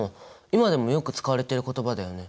今でもよく使われてる言葉だよね。